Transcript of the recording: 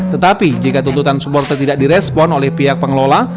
tetapi jika tuntutan supporter tidak direspon oleh pihak pengelola